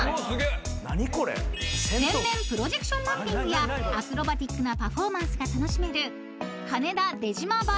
［全面プロジェクションマッピングやアクロバティックなパフォーマンスが楽しめる］